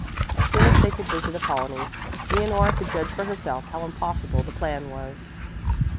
As soon as they could visit Apollonie, Leonore could judge for herself how impossible the plan was.